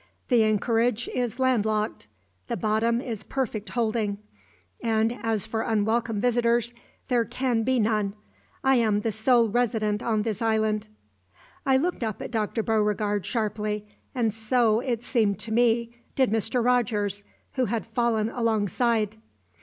The anchorage is land locked; the bottom is perfect holding; and as for unwelcome visitors, there can be none. I am the sole resident on this island!" I looked up at Dr. Beauregard sharply; and so, it seemed to me, did Mr. Rogers, who had fallen alongside.